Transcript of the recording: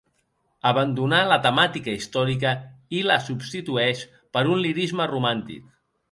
Abandonà la temàtica històrica i la substitueix per un lirisme romàntic.